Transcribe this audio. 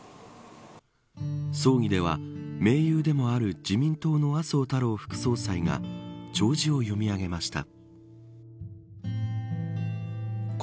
葬儀では、盟友でもある自民党の麻生太郎副総裁が弔辞を読み上げました。